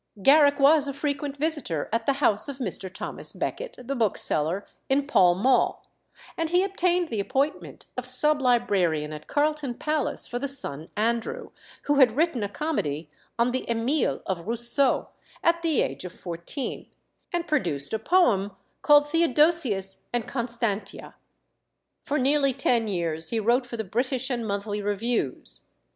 Garrick was a frequent visitor at the house of Mr. Thomas Beckett, the bookseller, in Pall Mall, and he obtained the appointment of sub librarian at Carlton Palace for the son Andrew, who had written a comedy on the Emile of Rousseau at the age of fourteen, and produced a poem called Theodosius and Constantia. For nearly ten years he wrote for the British and Monthly Reviews.